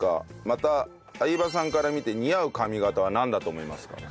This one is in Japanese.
また相葉さんから見て似合う髪形はなんだと思いますか？